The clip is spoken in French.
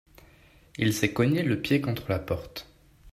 Il s'est cogné le pied contre la porte.